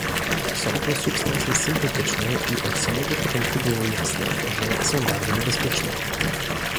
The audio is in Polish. Są to substancje syntetyczne i od samego początku było jasne, że są bardzo niebezpieczne